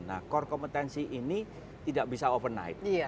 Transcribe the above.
nah core kompetensi ini tidak bisa overnight